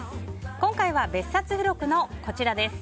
今回は別冊付録のこちらです。